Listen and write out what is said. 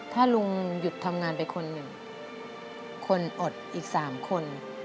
ถ้าลุงหยุดทำงานไปคนหนึ่งคนอดอีก๓คน